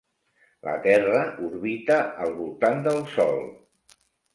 La Terra orbita al voltant del Sol.